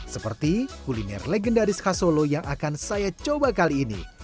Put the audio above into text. seperti kuliner legendaris khas solo yang akan saya coba kali ini